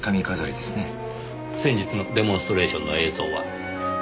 先日のデモンストレーションの映像は？